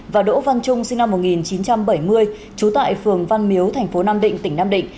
và đỗ văn trung sinh năm một nghìn chín trăm bảy mươi trú tại phường văn miếu thành phố nam định tỉnh nam định